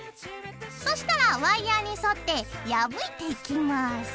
そしたらワイヤーに沿って破いていきます。